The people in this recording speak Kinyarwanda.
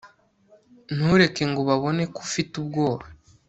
ntureke ngo babone ko ufite ubwoba